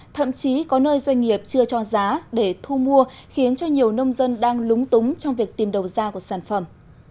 thậm chí có nơi doanh nghiệp chưa cho giá để thu mua khiến cho nhiều nông dân đang lúng túng trong việc tìm đầu ra của sản phẩm